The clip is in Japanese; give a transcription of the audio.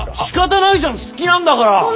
しかたないじゃん好きなんだから。